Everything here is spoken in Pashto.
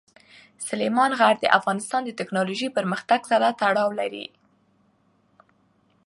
سلیمان غر د افغانستان د تکنالوژۍ پرمختګ سره تړاو لري.